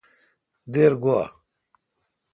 دیر گوا۔